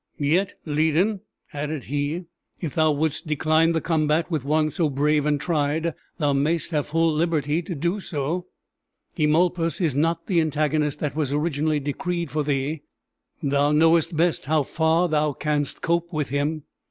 "Yet, Lydon," added he, "if thou wouldst decline the combat with one so brave and tried, thou mayst have full liberty to do so. Eumolpus is not the antagonist that was originally decreed for thee. Thou knowest best how far thou canst cope with him.